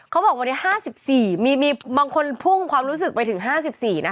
เขาบอกวันนี้๕๔มีบางคนพุ่งความรู้สึกไปถึง๕๔นะคะ